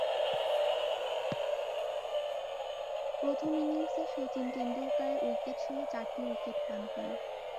প্রথম ইনিংসে শচীন তেন্ডুলকরের উইকেটসহ চারটি উইকেট পান তিনি।